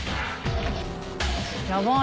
ヤバい。